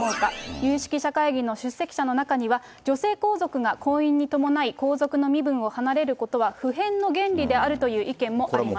有識者会議の出席者の中には、女性皇族が婚姻に伴い、皇族の身分を離れることは、不変の原理であるという意見もありま